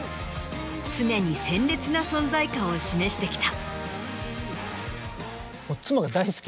常に鮮烈な存在感を示してきた。